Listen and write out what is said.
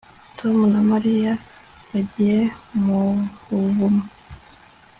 tom na mariya bagiye mu buvumo